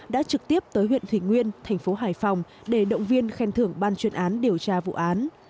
đã trực tiếp tới huyện thủy nguyên thành phố hải phòng để động viên khen thưởng ban chuyên án điều tra vụ án